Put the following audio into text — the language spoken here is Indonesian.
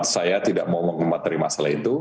saya tidak mau mengembat dari masalah itu